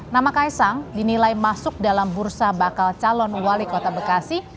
nama kaisang dinilai masuk dalam bursa bakal calon wali kota bekasi